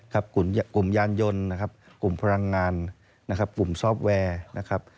กลุ่มยานยนต์กลุ่มพลังงานกลุ่มซอฟต์แวร์